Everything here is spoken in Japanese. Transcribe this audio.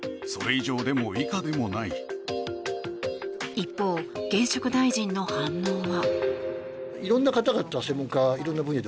一方、現職大臣の反応は。